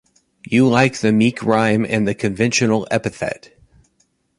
You like the meek rhyme and the conventional epithet.